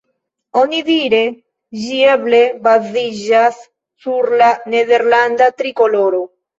Onidire, ĝi eble baziĝas sur la nederlanda trikoloro.